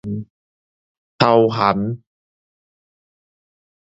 頭銜